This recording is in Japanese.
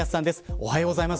おはようございます。